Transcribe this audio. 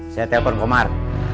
saya telpon kumar